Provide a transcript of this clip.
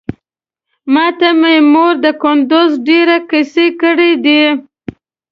ماته مې مور د کندوز ډېرې کيسې کړې دي.